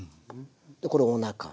でこれおなか。